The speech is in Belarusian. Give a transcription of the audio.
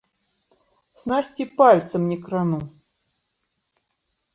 Снасці пальцам не крану.